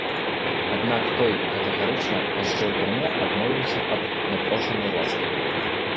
Аднак той катэгарычна, яшчэ ў турме, адмовіўся ад няпрошанай ласкі.